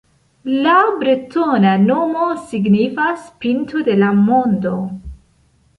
La bretona nomo signifas “pinto de la mondo”.